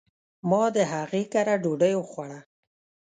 ما د هغي کره ډوډي وخوړه .